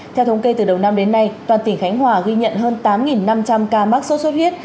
theo thống kê từ đầu năm đến nay toàn tỉnh khánh hòa ghi nhận hơn tám năm trăm linh ca mắc sốt xuất huyết